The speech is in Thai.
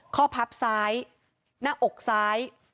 พับซ้ายหน้าอกซ้าย